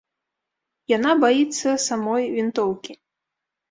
Яна баіцца самой вінтоўкі.